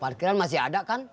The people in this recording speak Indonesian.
parkiran masih ada kan